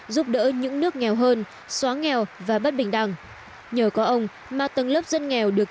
giúp đỡ những nước nghèo hơn xóa nghèo và bất bình đẳng nhờ có ông mà tầng lớp dân nghèo được